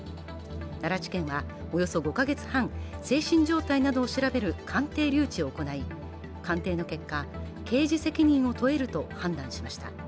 奈良地検はおよそ５か月半精神状態などを調べる鑑定留置を行い鑑定の結果、刑事責任を問えると判断しました。